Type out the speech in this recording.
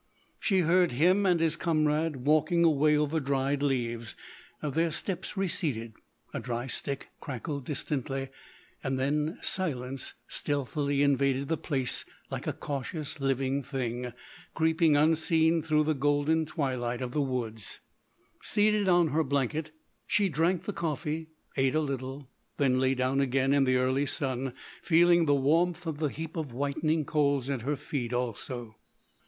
She heard him and his comrade walking away over dried leaves; their steps receded; a dry stick cracked distantly; then silence stealthily invaded the place like a cautious living thing, creeping unseen through the golden twilight of the woods. Seated in her blanket, she drank the coffee; ate a little; then lay down again in the early sun, feeling the warmth of the heap of whitening coals at her feet, also.